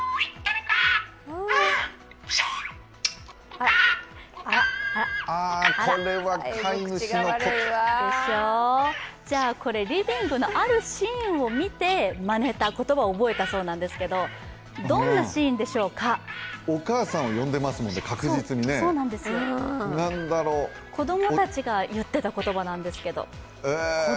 ああこれは飼い主のこれ、リビングのあるシーンを見てまねた言葉を覚えたそうなんですけどお母さんを呼んでますね、確実に子供たちが言ってた言葉なんですけど。